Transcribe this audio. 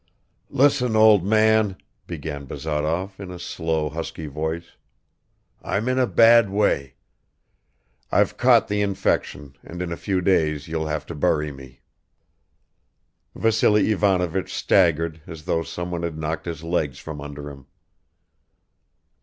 "Listen, old man," began Bazarov in a slow husky voice, "I'm in a bad way. I've caught the infection and in a few days you'll have to bury me." Vassily Ivanovich staggered as though someone had knocked his legs from under him.